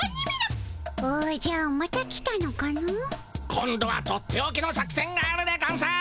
今度はとっておきの作戦があるでゴンス！